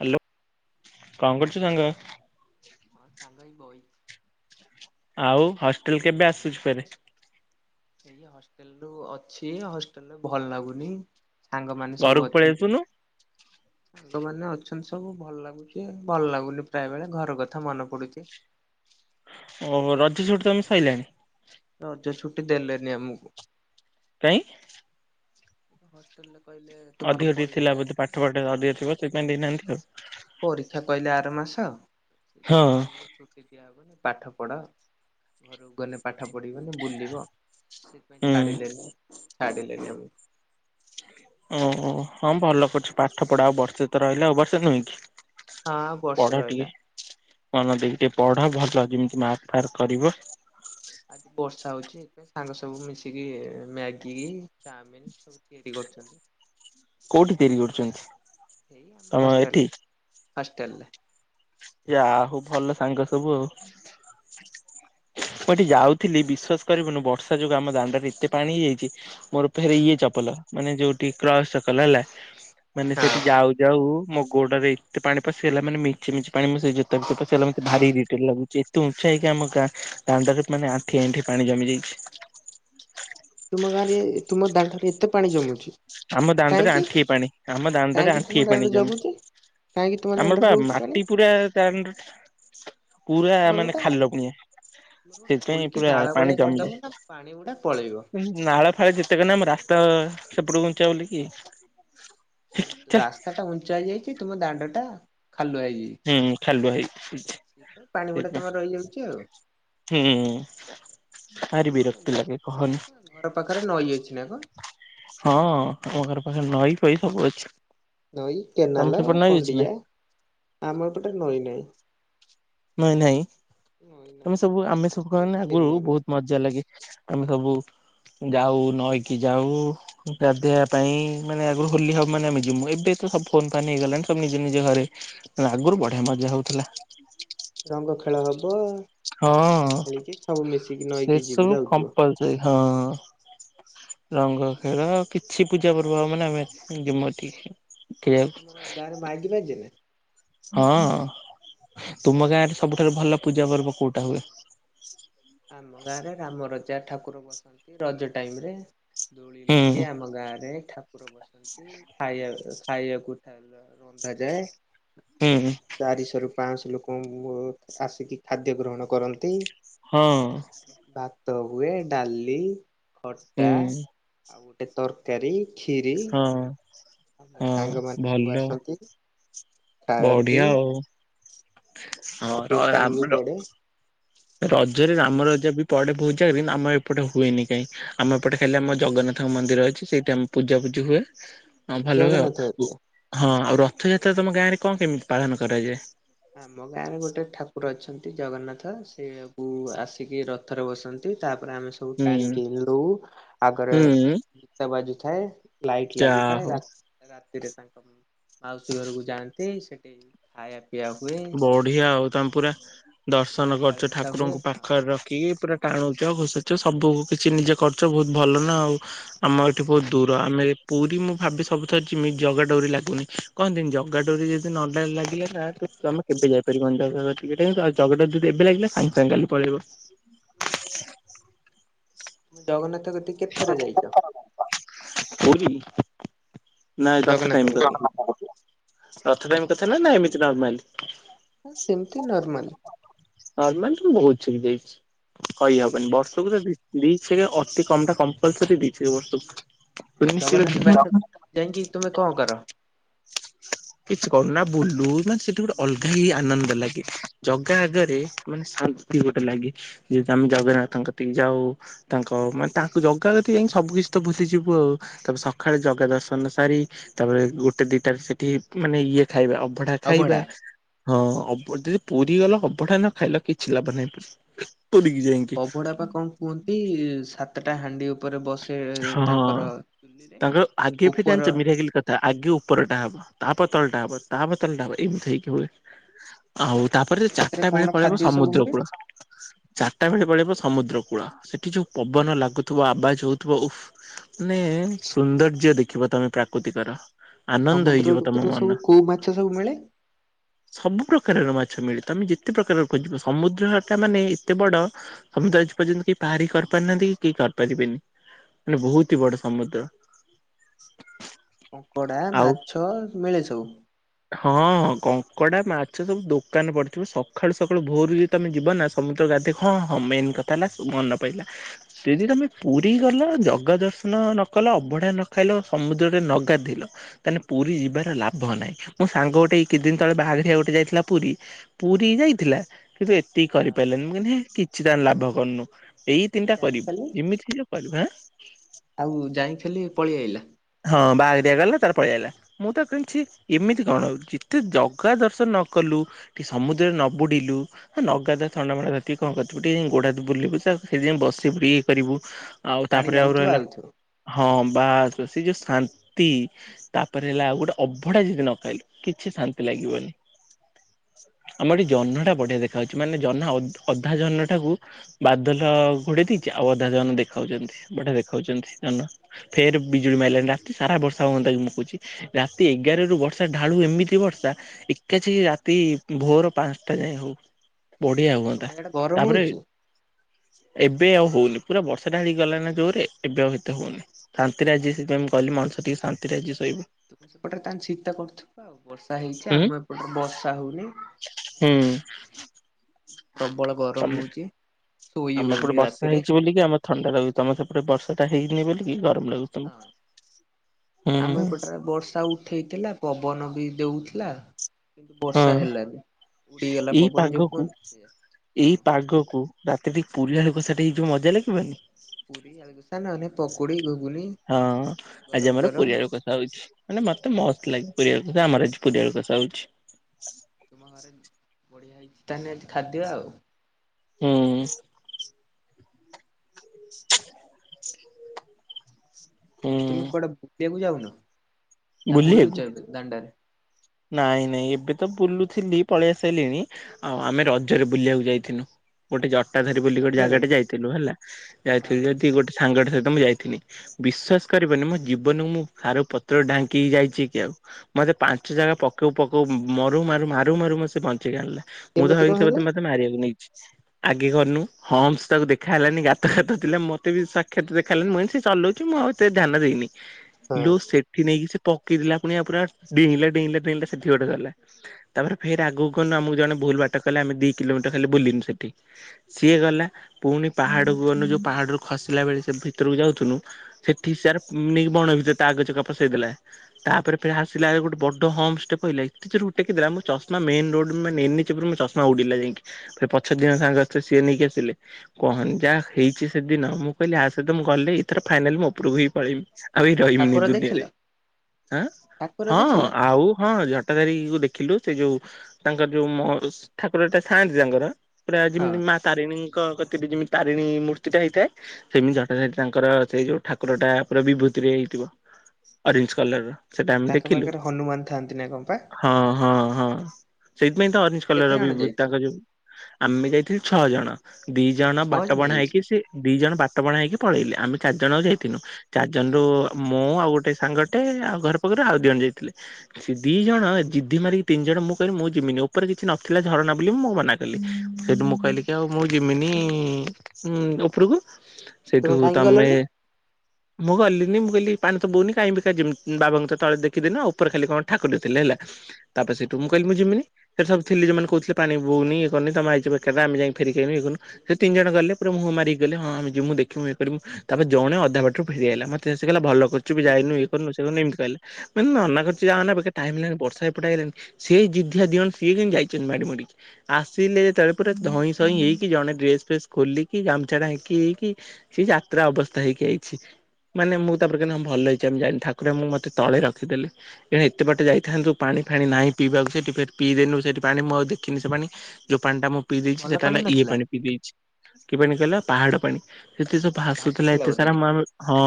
Hello କଣ କରୁଚୁ ସାଙ୍ଗ। ହଁ ସଙ୍ଗା ଏଇ ବଇଚି। ଆଉ ହଷ୍ଟେଲ କେବେ ଆସୁଛି ଫେର। ଏଇ ହଷ୍ଟେଲ ରୁ ଅଛି ହଷ୍ଟେଲରେ ଭଲ ଲାଗୁନି। ସାଙ୍ଗମାନୋନ ସବୁ ଘରକୁ ପଳେଇ ଅଛନ୍ତି। ଆସୁନୁ ସାଙ୍ଗ ମାନେ ଅଛନ୍ତି ସବୁ ଭଲ ଲାଗୁଛି ଭଲ ଲାଗୁନି ପ୍ରାୟ ବେଳେ ଘର କଥା ମନେ ପଡୁଛି। [inaudible] ଓ ରଜ ଛୁଟି ତମେ ସାଇିଲାଣି। ରଜ ଛୁଟି ଦେଲେନି ଆମକୁ। କାଇଁ। ହଷ୍ଟେଲ। ଅଧିକ ଟିକଏ ଥିଲା ବୋଧେ ପାଠ ପଢ ହଁ ଅଧିକ ଥିବ ସେଥିପାଇଁ ଦେଇନାହାନ୍ତି ଆଉ। ପରୀକ୍ଷା କହିଲେ ଆର ମାସ ସେଇପାଇଁ ହଁ ତମକୁ ଛୁଟି ଦିଆହବନି। ପାଠ ପଢ଼ ଘରକୁ ଗଲେ ପାଠ ପଢ଼ିବନି ବୁଲିବ। ସେ ହୁଁ। ଛାଡ଼ିଲେନି ଛାଡ଼ିଲେନି ଆମକୁ। ଓ ହଁ ଭଲ କରୁଛି ପାଠ ପଢା ଆଉ ବର୍ଷେ ତ ରହିଲେ ଆଉ ବର୍ଷେ ନୁହେଁ କି? ହଁଉ ପଢ ବର୍ଷେ ଟିକେ। ରିଲା। ମନ ଦେଇକି ଟିକେ ପଢ ଭଲ ଯେମିତି ମାର୍କ ଫାର୍କ କରିବ। ବର୍ଷା ହଉଛି ଏଥିପାଇଁ ସାଙ୍ଗ ସବୁ ମିଶିକି ମ୍ୟାଗି ଚାଉମିିନ ସବୁ ତିଆରି କରୁଛନ୍ତି। ହ କୋଉଠି ତିଆରି କରୁଛନ୍ତି। ଏଇ ତମ ହଷ୍ଟେଲ ଏଠି? ହଷ୍ଟେଲ ରେ। ଯାହାଉ ହଉ ଭଲ ସାଙ୍ଗ ସବୁ ଆଉ। ମୁଁ ଏଠି ଯାଉଥିଲି ବିଶ୍ଵାସ କରିବୁନୁ ବର୍ଷା ଯୋଗୁଁ ଆମ ଦାଣ୍ଡ ରେ ଏତେ ପାଣି ହେଇଯାଇଛି ମୋର ଫେହରେ ଇଏ ଚପ ମାନେ ଯୋଉଠି କ୍ରସ ଚକଲ ମାନେ ହଁ। ସେଠି ଯାଉାଉ। ଗୋଡରେ ଏତେ ପାଣି ପଶେଇଗଲା ମାନେ ମିଚି ମିି ପାଣିପଶି ଯୋ ଭିତଟା ପସିଗଲା ମୋତେ ଭାରି ଇରିଟେଟ ଲାଗୁଚି। ଆମ ଗାଁ ଦାଣ୍ଡ ମାନେ ଆଣ୍ଠି ଆଣ୍ଠି ପାଣି ଜମି ଯାଇଛି। ତୁମ ଗାଁରେ ତୁମ ଦାଣ୍ଡରେ ଏତେ ପାଣି ଜମୁଛି। ଆମ ଦାଣ୍ଡରେ କାହିଁକି ଆଣ୍ଠି ପାଣି ଆମ ଦାଣ୍ଡରେ କାହିଁକି ତୁମ ଆଣ୍ଠି ପାଣି ଦାଣ୍ଡରେ ଜମି। ଜଗୁଛି କାହିଁକି ତୁମ ଆମର ଦାଣ୍ଡରେ ବା ରହୁଛି ପାଣି ମାଟି ପୁରା ଦଣ୍ଡଟା। ପୁରା ତୁମର ମାନେ ଗୋଟା ଖାଲ ପଣି। ତମର ଗୋଟେ ସେଥିପାଇଁ ଖୋଳିକି ପୁରା ନାଳ ପାଣି ଭଳିଆ ଜମି କରିଦବ ଯାଏ ନା ପାଣି ଗୁଡା ପଳେଇବ ନାଳ ଫାଳ ଯେତେ କ ଆମ ରାସ୍ତା। ହ ସେପଟ ଘଞ୍ଚ ବା ବଲିକି। ହଉ ରାସ୍ତା ଟା ଉଞ୍ଚା ହେଇ ଯାଇଛି ତୁମ ଦାଣ୍ଡ ଟା। ଖାଲୁଆଇ ହୁଁ ଖାଲୁଆ ହେଇଯାଇଛି ପାଣି ଗୁଡା ସେଇଥିପାଇଁ ତମର ରହିଯାଉଛି ଆଉ। ହୁଁ ଭାରି ବିରକ୍ତି ଲାଗେ କହନି ଘର ପାଖରେ ନଈ ଅଛି ନା କଣ। ହଁ ଆମ ଘର ପାଖରେ ନଈ ପହି ସବୁ ଅଛି। ନଈ ତମ କେନାଲ ସେପଟେ ନଈ ଅଛି ନା? କଣ୍ଡିଆ ଆମ ଏ ପଟେ ନଈ ନହିଁ। ନାଇଁ ନାଇଁ ତମେ ସବୁ ନାହିଁ ଆମେ ସବୁାନେ ଆଗରୁ କେନାଲ ବହୁତ ମଜା ଲାଗେ। ଆମେ ସବୁ। ଯାଉ ନଇକି ଯାଉ ରାଧେଇବା ପାଇଁ ମାନେ ଆଗରୁ ହୋଲି ହବ ମାନେ ଆମେ ଯମୁ ଏବେ। ସବୁ ଫୋନ ଫାନ ହେଇଗଲାଣି ସବୁ ନିଜ ନିଜ ଘରେ ଆଗରୁ ବଢିଆ ମଜା ହଉଥିଲା। ରଙ୍ଗ ଖେଳ ହବ। ହଁ ଖେଳି ଖେଳିକି ସବୁ ମିଶିକି ନଈକି ଯିବୁ ସେସବୁ ଯାଉଥିବ କମ୍ପଲସରି ହଁ। ରଙ୍ଗ ଖେଳ କିଛି ପୂଜା ପର୍ବ ହବ ମାନେ ଆମେ ଯିମୁ ଏଠିକି। ଆଉ ଖେଳିବାକୁ ତୁମର ଗାଁରେ ମାଇକି ବାଜିଲେ [unintelligible] ହଁ ତୁମ ଗାଁରେ ସବୁଠାରୁ ଭଲ ପୂଜା ପର୍ବ କୋଉଟା ହୁଏ? ଆମ ଗାଁରେ ରାମ ରଜା ଠାକୁର ବସାନ୍ତି ରଜ ଟାଇମ୍ ରେ। ଦୋଳି ହୁଁ ଲାଗେ ଆମ ଗାଁରେ ଠାକୁର ବସନ୍ତି ଖାଇବା ଖାଇବାକୁ ଥାଏ ରନ୍ଧାଯାଏ। ହୁଁ ଚାରିଶହରୁ ପାଂଶ ଲୋକ [unintelligible] ଆସିକି ଖାଦ୍ୟ ଗ୍ରହଣ କରନ୍ତି। ହଁ। ଭାତ ହୁଏ ଡାଲି, ଖଟା ହୁଁ ଆଉ ଗୋଟେ ତରକାରୀ କ୍ଷୀରି ହଁ ଆଉ ମୋ ହଁ ସାଙ୍ଗମାନେ ସବୁ ଭଲ ଆସନ୍ତି। ଖାଆନ୍ତି ବଢିଆ ଆଉ। ହଁ ଆଉ ର ଦୋକାନ ବି ଆମର ପଡେ ରଜରେ ରାମ ରଜା ବି ପଡେ ବୋହୁତ ଯାଗାରେ ଆମର ଏପଟେ ହୁଏନି କାଇଁ। ଆମ ଏପଟେ ଖାଲି ଆମ ଜଗନ୍ନା ଥ ମନ୍ଦିର ଅଛି। ସେଇଟି ଆମ ପୂଜା ପୂଜି ହୁଏ। ହଁ ଭଲ ହୁଏ, ଜଗନ୍ନାଥ ଆଉ କତିରେ। ହଁ ଆଉ ରଥଯାତ୍ରା ତମ ଗାଁରେ କଣ କେମିତି ପାଳନ କରାଯାଏ? ଆମ ଗାଁରେ ଗୋଟେ ଠାକୁର ଅଛନ୍ତି। ଜଗନ୍ନାଥ ସେ ବୁ ଆସିକି ରଥରେ ବସନ୍ତି ତା ତାପରେ ଆମେ ସବୁ ହୁଁ ଟାଣିକି ଲଉ ଆଗରେ ହୁଁ ଗୀତ ବାଜୁଥାଏ। ଲାଇଟ ଯା ଲାଗିଥାଏ ହଉ ରା ରାତିରେ ତାଙ୍କ ମାଉସୀ ଘରକୁ ଯାଆନ୍ତି। ସେତେଇ ସେଠେ ଖାଇବା ପିଇଆକୁ ବଢିଆ ଆଉ, ତମେ ପୁରା ଦର୍ଶନ ପୁରୀ ଆଳୁ କରୁଛ କଷା ହୁଏ ଠାକୁରଙ୍କୁ ହଁ ପାଖରେ ରଖିକି ପୁରା ଟାଣୁଛ ଆଉ ଘ ସବୁ କିଛି ନିଜେ କରୁଚ ବହୁତ ଭଲ ନା ଆଉ ଆମ ହଁ। ଏଠି ତୁମେ ବହୁତ ଦୂର ଆମେ ପୁରୀ ମୁଁ ଭାବେ ସବୁଥର ଜିମି ଜଗା ଡୋରି ଲାଗୁନି, କହନ୍ତିନି ଜଗା ଡୋରି ଯଦି ନ ଲାଗିଲା [unintelligible] ଆମ କେବେ ଯାଇପାରିବନି, ଜାଗା କତିକି ଏଇଟା କିନ୍ତୁ ଆ [unintelligible] ଜଗା ଡୋରି ଯଦି ଏବେ ଲାଗିଲା ସାଙ୍ଗେ ସାଙ୍ଗେ କାଲି ପଳେଇବ। ତମେ ଜଗନ୍ନାଥ କତିକି କେତେ ଥର ଯାଇଛ? କଉଥି? ନାଇଁ ରଥ ଜଗନ୍ନାଥ ଟାଇମ କତିକି? କଥା ରଥ ଟାଇମ କଥା ନା ନା ଏମିତି ନର୍ମଲି। ହଁ ସେମିତି ନର୍ମାଲି। ନାର୍ମଲିତ ମୁଁ ବହୁତ [unintelligible] ଯାଇଛି। କହି ହବନି ବର୍ଷକୁତ ଦି ଦି ଛେକେ ଅତି କମଟା କମ୍ପଲସରି ଦି ଛେକ ବର୍ଷକୁ। ସୁନିଶ୍ଚିତ ଜଗନ୍ନାଥ ଯିବା ପାଖରେ ଯାଇକି ତୁମେ କଣ କର? କିଛି କରୁନା ନା ବୁଲୁ ନା ସେଠି ଗୋଟେ ଅଲଗା ହି ଆନନ୍ଦ ଲାଗେ ଜଗା ଆଗରେ ମାନେ ଶାନ୍ତି ଗୋଟେ ଲାଗେ ଯେହେତୁ ଆମେ ଜଗନ୍ନାଥଙ୍କ କତିକି ଯାଉ ତାଙ୍କ ମାନେ ତାଙ୍କୁ ଜଗା କତିକି ଯାଇକି ସ ସବୁ କିିଛି ତ ଭୁଲିଯିବୁ ଆଉ ତାପରେ ସକାଳେ ଜଗ ଦର୍ଶନ ସାରି ତାପରେ ଗୋଟେ ଦିଟାରେ ସେଠି ମାନେ ଇଏ ଖାଇବା ଅଭଢା ଖାଇବା ଅବଢା? ହଁ ଅଭ ଯଦି ପୁରୀ ଗଲା ଅବଢା ନ ଖାଇଲ କିଛି ଲାଭ ନାହିଁ ପୁରି ଅଭଡା ପା କଣ କୁହନ୍ତି ସାତଟା ହାଣ୍ଡି ଉପରେ ବସେ। ହଁ ତାଙ୍କର ଚୁଲିରେ ତାଙ୍କର ଆଗେ ବି ଉପର ଜାଣିଛ, ମିରାକିଲି କଥା ଆଗେ ଉପରଟା ହବ। ତାପର ତଳଟା ହବ ତାପରେ ତଳଟା ହବ ଏମ ମ [unintelligible] ଆଉ ତାପରେ ସେ ତାଙ୍କ କତିରେ ଚାରିଟା ବେଳେ କଣ ପଳେଇବ ଖାଦ୍ୟ ସବୁ ସମୁଦ୍ର ହୁଏ? କୂଳ ଚାରିଟା ବେଳେ ପଳେଇବ ସମୁଦ୍ର କୂଳ ସେଠି ଯୋଉ ପବନ ଲାଗୁଥିବା ଆବାଜ ହଉ ଉହଃ ମାନେ ସୌନ୍ଦର୍ଯ୍ୟ ଦେଖିବ ତମେ ପ୍ରାକୃତିକର। ଆନନ୍ଦ ସମୁଦ୍ର ହେଇଯିବ ତମ କତିରେ ସବୁ ମନ କୋଉ ମାଛ ସବୁ ମିଳେ? ସବୁ ପ୍ରକାରର ମା ମିଲଟନ ଯେତେ ପ୍ରକାର ଖୋଜିବ ସମୁଦ୍ରଟା ମାନେ ଏତେ ବଡ ସମୁଦ୍ର ଆଜି ପର୍ଯ୍ୟନ୍ତ କିଏ ପାରି କ କରି ନାହାନ୍ତି କି କେହି କରିପାରିବେନି ମାନେ ବହୁତ ହି ବଡ ସମୁଦ୍ର। କଙ୍କଡା, ମାଛ ମିଳେ ସବୁ। ହଁଁ କଙ୍କଡା ମାଛ ସବୁ ଦୋକାନ ପଡିଥିବ, ସକାଳୁ ସକାଳୁ ଭୋରୁ ଯଦି ତମେ ଯିବ ନା ସମୁଦ୍ର ଗା ଦେଖ ହଁ ହଁ ମେନ୍ କଥା ହେଲା ତୁ ମନ ପଇଲା ଯେଦି ତମେ ପୁ ରି ଗଲ ଜଗା ଦର୍ଶନ ନ କଲ। ଅବଢା ନ ଖାଇଲ ସମୁଦ୍ରରେ ନ ଗାଧେଇଲ ତାହାନେ ପୁରି ଯିବାର ଲାଭ ନାହିଁ। ମୋ ସାଙ୍ଗ ଗୋଟେ ଏ କିଛି ଦିନ ତଳେ ବାହାରି [unintelligible] ଗୋଟେ ଯାଇଥିଲା ପୁରି। ପୁରି ଯାଇଥିଲା କିନ୍ତୁ ଏତିକି ହଁ କରିପାଇଲାନି। ମୁଁ କହିଲି ହେଁ କିଛି ତାହାଲେ ଲାଭ କରିନୁ। ଏଇ ତିନିଟା ଯାଇ କରିବୁ ଖାଲି ଯେମିତି ହେଲେ କରିବୁ ଆଁ। ଆଉ ଯାଇଖାଲି ପଳିଆଇଲା। ହଁ ବାହାଘ ଦିଆଗଲା ତାର ପଳିଆଇଲା ମୁଁ ତ କହିଲି ଛି ଇମିତି କଣ ହେଉଛୁ ଯେତେ ଜଗା ଦର୍ଶନ ନ କଲୁ ଟିକେ ସମୁଦ୍ରରେ ନ ବୁଡିଲୁ, ହେଁ ନଗାଧା ଥଣ୍ଡା ମଣ୍ଡା ଏତିକି କଣ କରିିଥିବୁ ଟିକେ ଗୋଡା ବୁଲିବୁ ସେ ବସିବି ଇଏ କରିବୁ ଆଉ ପାଣି ତାପରେ ଆଉ ଯାଉଥିବ ରହିଲା ଆଉଥିବ। ହଁ। ବାସ୍ ସେ ଯୋଉ ଶାନ୍ତି ତାପରେ ହେଲା ଆଉ ଗୋଟେ ଅଭଡା ଯଦି ନ ଖାଇଲୁ କିଛି ଶାନ୍ତି ଲାଗିବନି। [unintelligible] ଆମର ଏ ଜହ୍ନ ଟା ବଢିଆ ଦେଖା ଯାଉଛି ମାନେ ଜହ୍ନ ଅଧା ଜହ୍ନଟା କକୁ ବାଦଲ ଘୋଡେଇ ଦେଇଛି। ଅବଧା ଜନ ଦେଖାଉଛନ୍ତି ଗୋଟେ ଦେଖାଉଛନ୍ତି ଜହ୍ନ। ଫେର ବିଜୁଳି ମାରଲାଣି ରାତି ସାରା ବର୍ଷା ହୁଅନ୍ତା କି ମୁଁ କହୁଛି। ରାତି ଏଗାରରୁ ବର୍ଷା ଢାଳୁ ଏମିତି ବର୍ଷା ଏକାଛି ରାତି ଭୋର ପାଞ୍ଚଟା ଯାଏ ହଉ। ବଢିଆ ତୁମ ହୁଅନ୍ତା ଇଆଡେ ଗରମ ତାପରେ ହଉଛି? ଏବେ ଆଉ ହଉନି ପୁରା ବର୍ଷା ଟା ହେଇଗଲାନ ଜୋରରେ ଏବେ ଆଉ ଏତେ ହଉନି। ଆ ଶାନ୍ତିରେ ଆଜି ସେଥିପାଇଁ ଗଲି ମଣିଷ ଟିକେ ଶାନ୍ତିରେ ଆଜି ଶୋଇିବ। ତମ ସେପଟରେ ତାେ ଶୀତ କରୁଥିବ ଆଉ ବର୍ଷା ହେଇଛି ହୁଁ ଆମ ଏପଟେ ବର୍ଷା ହଉନି। ହୁଁ ପ୍ରବଳ ଗରମ ହଉଚି। ଆମର ଏପଟେ ବର୍ଷା ହେଇଛି ବୋଲି କି ଆମ ଥଣ୍ଡା ରାଗୁଛି। ତମ ସେପଟେ ବର୍ଷା ଟା ହେଇନି ବୋଲିଲ କିି ଗ [unintelligible] ଆମେ ହୁଁ ଏପଟରେ ବର୍ଷା ଉଠେଇଥିଲା ପବନ ବି ଦେଉଥିଲା। ହଁ ବର୍ଷା ହେଲାଣିି। ଏଇ ପାଗକୁ ହଁ ଏଇ ପାଗକୁ ରା ତି ରେ ଟିକେ ପୁରୀ ଆଳୁ କସା ଟେ ହେଇଥିବ ମଜା ଲାଗିବନି। ପୁରୀ ଆଳୁ କସା ନନେ ପକୁଡି ଘୁଗୁନି। ହଁ ଆଜି ଗରମ ଆମର ଗରମ ପୁରୀ ଆଳୁ କସା ହଉଛି ମାନେ ମତେ ମସ୍ତ ଲାଗେ। ପୁରୀ ଆଳୁ କସା ଆମର ଆଜି ପୁରୀ ଆଳୁ କଷା ହଉଛି। ତୁମ ଘରେ ବଢିଆ ହେଇଛି ତା ହେଲେ ଆଜି ଖାଦ୍ୟ ଆଉ। ହୁଁ। [unintelligible] ହୁଁ ଆଉ ତୁମେ କୁଆଡେ ବୁଲିବାକୁ ଯାଉନ? ନା ବୁଲୁଛ ବୁଲିବାକୁ ଏବେ ଦାଣ୍ଡରେ ନାଇଁ ନାଇଁ ଏବେ ତ ବୁଲୁ ଥିଲି ପଳେଇ ଆସାରିଲିଣି ଆଉ ଆମେ ରଜରେ ବୁଲିବାକୁ ଯାଇଥିନୁ ଗୋଟେ ଜ କଟା ଧରି ବୋଲି ଗୋଟେ ରଜରେ ଜାଗାଟା ଯାଇଥିଲୁ ହେଲା। ହଁ ଯାଇଥିଲୁ ଯଦି ଗୋଟେ ସାଙ୍ଗଟେ ତ ମୁଁ ଯାଇଥିଲି ବିଶ୍ୱାସ କରିବନି ମୋ ଜୀବନକୁ ମୁଁ ସାରୁ ପତ୍ର ଢାଙ୍କି କି ଯାଇଛି କି ଆଉ ମତେ ପାଞ୍ଚ ଜାଗା ପକୋଉ ପକୋଉ ମରୁ ମାରୁ ମାରୁ ମାରୁ ମତେ ସେ ବଞ୍ଚେଇକି ଆଣିଲା। ମୁଁ ତ କେମିତି କଣ ଭାବିଥିଲି ମତେ ହେଲା? ମତେ ମାରିବାକୁ ନେଇଚି। ଆଗେ ଗନୁ ହମ୍ପସ୍ ତାକୁ ଦେଖା ହେଲାନି ଗାତ ଗାତ ଥିଲା ମତେ ବି ସାକ୍ଷାତ ଦେଖାହେଲାନି। ମୁଁ ଭାବିନି ସେ ଚଲୋଉଚି ମୁଁ ଆଉ ଏତେ ଧ୍ୟାନ ଦେଇନି। ହଁ ଲୋ ସେଠି ନେଇକି ସେ ପକେଇଦେଲା ପୁଣିଆ ପୁରା ଡେଇଁଲା ଡେଇଁଲା ଡେଇଁଲା ସେଠି ଗୋଟେ ଗଲା। ତାପରେ ଫେରେ ଆଗକୁ କଣ ନା ଆମକୁ ଜଣେ ବୁ ଭୁଲ ବାଟ କହିଲା ଆମେ ଦି କିଲୋମିଟର ଖାଲି ବୁଲିନୁ ସେଠି। ସିଏ ଗଲା ପୁଣି ପାହାଡ଼ କୁ ଗନୁ ଯୋଉ ପାହା ସେଟାରୁ ଖସିଲା ବେଳେ ସେ ଭିତରକୁ ଯାଉଥନୁ ସେଠି ସେୟାରେ ନେଇକି ବଣ ଭିତରେ ତା ଆଗ ଚକା ପସେଇ ଦେଲା। ତାପରେ ଫେରେ ଆସିଲା ବେଳେ ଗୋଟେ ବଡ ହମ୍ପସ ଟେ ପାଇଲା ଏତେ ଯୋରେ ଉଡ଼େଇକି ଦେଲା ମୋ ଚଶମା ମେନ ରୋଡ ମାନେ ଏନେ ଚେ ଉପରେ ମୋ ଚଷମା ଉଡିଲା ଯାଇଁକି ଫେରେ ପଛ ଦିହାଁଙ୍କ ସାଙ୍ଗ ଅଛ ସିଏ ନେଇକି ଆସିଲେ। କହନି ଯାହା ହେଇଛି ସେ ଦିନ ମୁଁ କହିଲି ଆ ସହିତ ମୁଁ ଗଲେ ଏଥର ଫାଇନାଲି ମୁଁ ଓପୁରୁକୁ ହିଁ ପଳେଇମି ଆଉ ଏଇ ଠାକୁର ରହିିବିନି ଦେଖିଲ ଦୁନିଆରେ। ଆଁ ଠାକୁର ହଁ ଦେଖିଲ ଆଉ ହଁ ଝଟା ଧାରୀଙ୍କୁ ଦେଖିଲୁ। ସେ ଯୋଉ ତାଙ୍କର ଯୋଉ ମଃ ଋଷି ଠାକୁର ଟା ଥାଆନ୍ତି ତାଙ୍କର ପୁରା ହଁ ଯେମିତି ମା ତାରିଣୀଙ୍କ କତିରେ ଯେମିତି ତାରିଣୀ ମୂର୍ତ୍ତି ଟା ହେଇଥାଏ ସେମିତି ଝଟାଧାରୀ ତାଙ୍କର ସେଇ ଯୋଉ ଠାକୁର ଟା ପୁରା ବିଭୂତିରେ ହେଇଥିବ। ଅରେଞ୍ଜେ କଲର ସେଟା ଆମେ ତାଙ୍କ ଦେଖିଲୁ ପାଖରେ ହନୁମାନ ଥାଆନ୍ତି ନା କଣ ପା? ହଁ ହଁ ହଁ। ସେଇଥିପାଇଁ ତ ଅରେଞ୍ଜେ କେତେ କଲରର ଜଣ ବିଭୂତି ଯାଇଥିଲ ତାଙ୍କ ଯୋଉ ଆମେ ଯାଇଥିଲୁ ଛଅ ଜଣ। ଦି ଜଣ ଛଅ ବାଟ ବଣା ହେଇକି ଯାଇଥିଲ ସେ ଦି ଜଣ ବାଟ ବଣା ହେଇକି ପଳେଇଲେ। ଆମେ ଚାରି ଜଣ ଆଉ ହଁ ଯାଇଥିନୁ। ଚାରି ଜଣ ରୁ ହଁ ମୁଁ ଆଉ ଗୋଟେ ସାଙ୍ଗ ଟେ ଆଉ ଘର ପାଖରୁ ଆଉ ଦିଜଣ ଯାଇଥିଲେ। ସେ ଦି ଜଣ ଜିଦୀ ମାରିକି ତିନି ଜଣ ମୁଁ କହିଲି ମୁଁ ଯିମିନି ଓପୋରେ କିଛି ନଥିଲା ଝରଣା ବୋଲି ମୁଁ ମନା କଲିି ସେଇଠୁ ମୁଁ କହିଲି କି ଆଉ ମୁଁ ଜିମିନି ଉଁ ଉପୁରୁକୁ ସେଇଠୁ ତୁମେ କାହିଁକି ତମେ ଗଲନି? ମୁଁ ଗଲିନି ମୁଁ କହଲି ପାଣି ତ ବୋହୁନି କାଇଁ ବେ ଜୀମି ଉଁ ବାବାଙ୍କୁ ତ ତଳେ ଦେଖିଦେନ ଆଉ ଓପୋରେ ଖାଲି କଣ ଠାକୁର ଥିଲେ ହେଲା ତାପରେ ସେଇଠୁ ମୁଁ କହିଲି ମୁଁ ଯିମିନି। ସେଇଠି ସବୁ ଥିଲି ଯୋଉମାନେ କୋହୁଥିଲେ ପାଣି ବୋହୁନି ଇଏ କରୁନି ତମେ ଆଇଚ ବେକାରଟାରେ ଆମେ ଯାଇକି ଫେରିକି ଆଇନୁ ଇଏ କନୁ ସେ ତିନି ଜଣ ଗଲେ ପୁରା ମୁଁ ମାରିକି ଗଲେ ହଁ ଆମେ ଯିମୁ ଦେଖିମୁ ଇଏ କରିମୁ ତାପରେ ଜଣେ ଅଧା ବାଟରୁ ଫେରିଆଇଲା ମତେ ଆସିକି କହିଲା ଭଲ କରିଚୁ ବେ ଯାଇନୁ ଇଏ ରୁନି ଏମିତି କହିଲେ ମାନେ ମନା କରୁଚି ଯାଅନା ବେକା ଟାଇମ୍ ଲେ ବର୍ଷା ଏପେଟ ଆଇଲାଣି ସେଇ ଜିଦିଆ ଦି ଜଣ ସିଏ କିନ୍ତୁ ଯାଇଚନ୍ତି ମାଡି ମାଡିିକି ଆସିଲେ ଯେତୋବେଳେ ପୁରା ଧଇଁ ସଇଁ ହେଇକି ଜଣେ ଡ୍ରେସ ଫ୍ରେସ ଖୋଲିକି ଗାମଛା ଢାଙ୍କି ହେଇକି ସେ ଯାତ୍ରା ଅବସ୍ଥା ହେଇକି ଆଇଛି। ମାନେ ମୁଁ ତା ପରେ କହିନି ହଁ ଭଲ ହେଇଚି ଆମେ ଜାଇନୁ। ଠାକୁର ଆମ ମୁଁ ମତେ ତଳେ ରଖିଦେଲେ ଏଣେ ଏତେ ବାଟ ଯାଇଥାନ୍ତୁ ପାଣି ଫାଣି ନାହିଁ ପିଇବାକୁ ସେଠି ଫେର ପିଇଦେନୁ। ସେଇଠି ପାଣି ମୁଁ ଆଉ ଦେଖିନି ସେ ପାଣି ଯୋଉ ପାଣିଟା ମୁଁ ପିଇଦେଇଛି ଭଲ ସେଟା ହେଲା ଇଏ ନଥିଲା ପାଣି ପିଇଦେଇଛି କି ପାଣି କହିଲ ପାହାଡ ପାଣି। ସେଠି ସବୁ ଭାସୁଥିଲା ଏତେ ବୋଧେ ସାରା ମୁଁ କିଛି ଆମେ ହଁ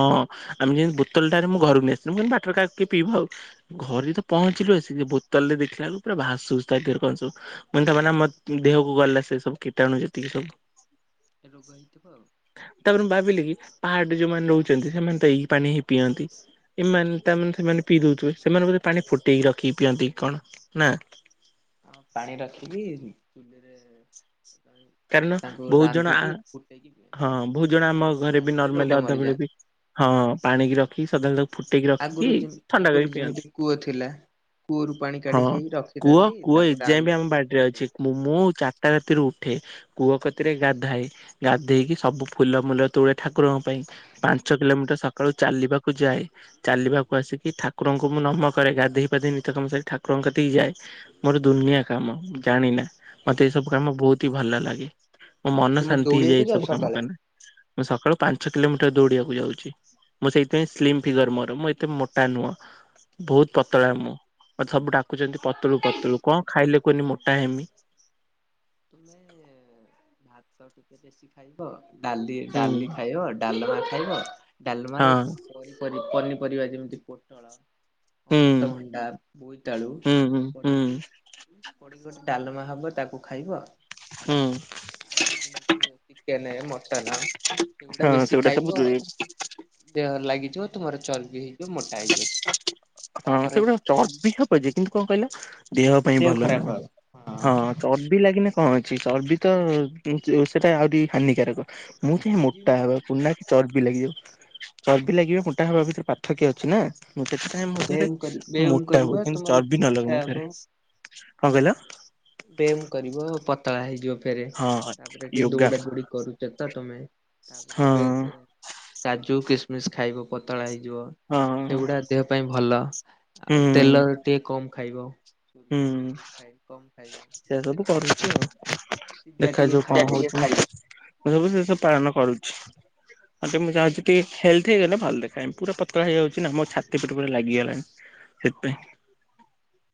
ଆମେ ଯେନ୍ତି ବୋତୋଲଟା ରେ ମୁଁ ଘରୁ ନେଇଥିଲି ମୁଁ କହିଲି ବାଟରେ କାଳେ କିଏ ପିଇବା ଆଉ ଘରେ ତ ପହଞ୍ଚିଲୁ ଆସିକି ବୋତଲରେ ଦେଖିଲା ବେଳକୁ ପୁରା ଭାସୁଛି ତା ଭିତରେ କଣ ସବୁ ମାନେ ତା ମାନେ ଆମ ଦେହକୁ ଗଲା ସେ ସବୁ କୀଟଣୁ ଯେତିକି ସବୁ। ରୋଗ ହେଇଥିବ ଆଉ। ତାପରେ ମୁଁ କହିଲି କି ପାହାଡରେ ଯୋଉମାନେ ରହୁଚନ୍ତି ସେମାନେ ତ ଏଇ ପାଣି ହିଁ ପିଅନ୍ତି। ଏମାନେ ତାମାନେ ସେମାନେ ପିଇ ଦୋଉଥିବେ ସେମାନେ ବୋଧେ ପାଣି ଫୁଟେଇକି ରଖିକି ପିଅନ୍ତି କି କଣ ନା। ହଁ ପାଣି ରଖିକି ଚୁଲିରେ ଫେରେ କାରଣ ତାଙ୍କୁ ବୋହୁତ ଜଣ ଆଁ ରାନ୍ଧିକି ଫୁଟେଇକି ପିଅନ୍ତି। ହଁ ହଁ ବୋହୁତ ଜଣ ଆମ ତା ଘରେ ବି ଦେହରେ ରୋଗ ନର୍ମାଲି ଅଧା ବେଳେ ମରିଯାଆନ୍ତି। ବି ହଁ ପାଣିକି ରଖିକି ସଦାବେଳେ ତାକୁ ଫୁଟେଇକି ଆଗରୁ ରଖିକି ଯେମି ଥଣ୍ଡା ଆଗରୁ କରିକି ଯେମିତି ପିଅନ୍ତି। କୂଅ ଥିଲା କୂଅରୁ ପାଣି ହଁ କାଢିକି କୂଅ ରଖିଥାନ୍ତି କୂଅ ତାଙ୍କୁ ରା ଏଯାଏଁ ବି ଆମ ବାଡିରେ ଫୁଟେଇ ଅଛି ମୁଁ ମୁଁ ଚାର୍ଟା ରାତିରୁ ଉଠି ରେ କୂଅ କତିରେ ଗାଧାଏ ଗାଧେଇକି ସବୁ ଫୁଲମୁଲ ତୋଳେ ଠାକୁରଙ୍କ ପାଇଁ ପା ପାଞ୍ଚ କିଲୋମିଟର ସକାଳୁ ଚାଲିବାକୁ ଯାଏ ଚାଲିବାକୁ ଆସିକି ଠାକୁରଙ୍କୁ ମୁଁ ନମ କରେ ଗାଧେଇ ପାଧେଇ ନିତ୍ୟକାମ ସାରି ଠାକୁରଙ୍କ କତିକି ଯାଏ। ମୋର ଦୁନିଆ କାମ ଜାଣିନା ମତେ ଏ ସବୁ କାମ ବୋହୁତ ହିଁ ଭଲ ଲାଗେ ମୋ ଆଉ ମନ ତୁମେ ଶାନ୍ତି ଦୌଡିବାକୁ ହେଇଯାଏ। ଏଇ ଯାଅ ସବୁ କାମ ସକାଳେ? କଲେ ମୁଁ ସକାଳୁ ପାଞ୍ଚ କିଲୋମିଟର ଦୌଡିବାକୁ ଯାଉଛି ମଁ ସେଇଥିପାଇଁ ସ୍ଲିମ୍ ଫିଗର ମୋର ମୁଁ ଏତେ ମୋଟା ନୁହଁ। ବହୁତ ପତଳା ମୁଁ। ମତେ ସବୁ ଡାକୁଛନ୍ତି। ପତଳୁ ପତଳୁ କଣ ଖାଇଲେ କୁହନି ମୋଟା ହେମି? ତ ଭାତ ଟିକେ ବେଶୀ ଖାଇବ ଡାଲି ହୁଁ ଡାଲି ଖାଇବ ଡାଲମା ଖାଇବ ଡାଲମାରେ ହଁ ପନିପରିବା ଯେମିତି ପୋଟଳ ହୁଁ ଅମୃତଭଣ୍ଡା ହୁଁ ହୁଁ ହୁଁ ବୋଇତାଳୁ ଡାଲମା ହବ ତାକୁ ଖାଇବ ଆଉ ହୁଁ। ଆମର ଯେମିତି ଚିକେନ ମଟନ ଏଟା ହଁ ବେଶୀ ସେଗୁଡା ସବୁ ଖାଇବ ଦେହରେ ଲାଗି ଇଯିବ ତୁମର ଚର୍ବି ହେଇଯିବ ମୋଟା ହେଇଯିବ। ହଁ ତାପରେ ସେ ଗୋଟେ ଚର୍ବି ହବଯେ କିନ୍ତୁ କଣ କହିଲ ଦେହ ପାଇଁ ଭଲ ନୁହଁ ହଁ ଚର୍ବି ଲାଗିନେ କଣ ଅଛି ଚର୍ବି ତ ସେଇଟା ଆହୁରି ହାନିକାରକ। ମୁଁ ଆଉ ଚାହେଁ ତୁମେ ଜିମ୍ ମୋଟା ଯିବ ହେବାକୁ ନା ଚର୍ବି ଲାଗିବ ଚର୍ବି ଲାଗିବା ମୋଟା ହବା ଭିତରେ ପାର୍ଥକ୍ୟ ଅଛି ନା ସେଥିପାଇଁ ହଁ ମୁଁ ରେ ବ୍ୟାୟାମ କରି ବ୍ୟାୟାମ ମୋଟା ହୁଏ କରିବ କିନ୍ତୁ ତୁମର ଚର୍ବି ଫେରେ ନ ଲାଗୁ ମୋଟା ମୋ ଦେହରେ। କଣ କହିଲ? ବେମ୍ କରିବ ପତଳା ହେଇଯିବ ଫେରେ ହଁ ତାପରେ ଟିକେ ୟୋଗା ଦୌଡା ଦୌଡି କରୁଛ ତ ତମେ ହଁ ଏବେ କାଜୁ କିସମିସ ଖାଇବ ପତଳା ହେଇକି ଯିବ ହଁ। ସେଗୁଡା ଦେହ ପାଇଁ ଭଲ ଆଉ ହୁଁ ତେଲ ଟିକେ କମ୍ ଖାଇବ। ସୋରିଷ ହୁଁ ତେଲ ରିଫାଇନ କମ ଖାଇବ ସେ ସବୁ କରୁଛି ଆଉ। ସିଝା ଟିକେ ଦେଖାଯାଉ କଣ ଖାଇବ ହଉଛି। ମୁଁ ହଁ ସବୁ ସେ ସବୁ ପାଳନ କରୁ [inaudible] ମତେ ମୁ ଚାହୁଞ୍ଚିକି ହେଲ୍ଥ ହେଇଗଲେ ଭଲ ଦେଖାହେମି ପୁରା ପତଳା ହେଇଯାଉଛି ନା ମୋ ଛାତି ପେଟ ପୁରା ଲାଗିଗଲାଣି। ସେଇଥିପାଇଁ [inaudible]